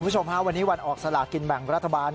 คุณผู้ชมฮะวันนี้วันออกสลากินแบ่งรัฐบาล